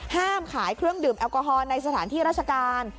ห้ามขายเครื่องดื่มแอลกอฮอลในสถานที่ราชการ